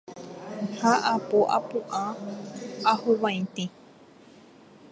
ha apo apu'ã ahuvaitĩ